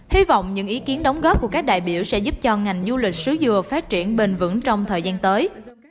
hy vọng những ý kiến đóng góp của các đại biểu sẽ giúp cho ngành du lịch sứ dừa phát triển bền vững trong thời gian tới